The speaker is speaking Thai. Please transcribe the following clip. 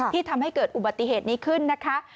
ทำให้เกิดอุบัติเหตุนี้ขึ้นนะคะ